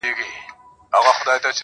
چي تر کومي اندازې مو قدر شان وو.!